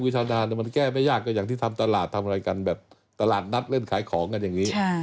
ทำอะไรกันแบบตลาดนัดเล่นขายของกันอย่างนี้